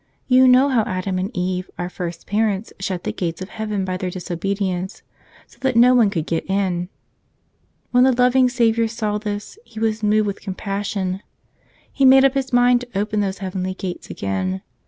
You know how Adam and Eve, our first parents, shut the gates of heaven by their disobedience, so that no one could get in. When the loving Savior saw this He was moved with compassion. He made up His mind to open those heavenly gates again.